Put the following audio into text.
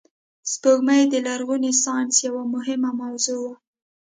سپوږمۍ د لرغوني ساینس یوه مهمه موضوع وه